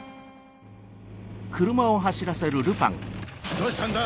どうしたんだ？